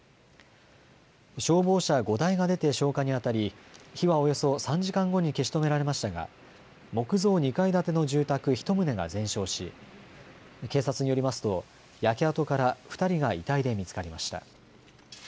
消防車５台が出て消火にあたり火はおよそ３時間後に消し止められましたが木造２階建ての住宅１棟が全焼し警察によりますと焼け跡から２人が遺体で見つかりました。